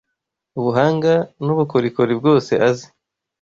ubuhanga n’ubukorikori bwose azi